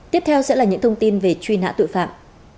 tiếp theo sẽ là những thông tin về truy nã tội phạm